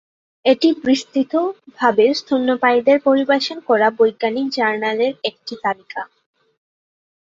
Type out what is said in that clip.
এটি বিস্তৃতভাবে স্তন্যপায়ীদের পরিবেশন করা বৈজ্ঞানিক জার্নালের একটি তালিকা।